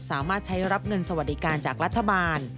สามารถใช้รับเงินสวัสดิการจากรัฐบาล